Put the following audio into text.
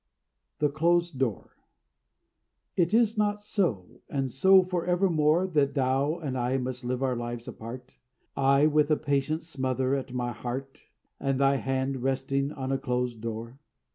THE CLOSED DOOR It is not so, and so for evermore, That thou and I must live our lives apart; I with a patient smother at my heart, And thy hand resting on a closed door?